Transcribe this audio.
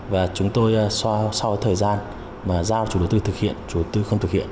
và chúng tôi sau thời gian mà giao chủ đầu tư thực hiện chủ tư không thực hiện